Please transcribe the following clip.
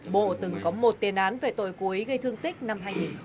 bộ từng có một tiền án về tội cúi gây thương tích năm hai nghìn một mươi năm